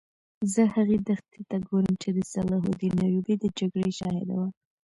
زه هغې دښتې ته ګورم چې د صلاح الدین ایوبي د جګړې شاهده وه.